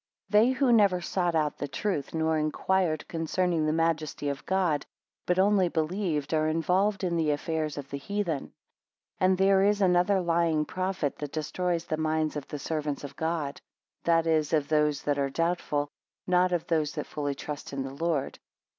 They who never sought out the truth, nor inquired concerning the majesty of God, but only believed, are involved in the affairs of the heathen. 4 And there is another lying prophet that destroys the minds of the servants of God; that is of those that are doubtful, not of those that fully trust in the Lord.